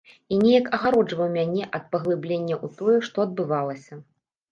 І неяк агароджваў мяне ад паглыблення ў тое, што адбывалася.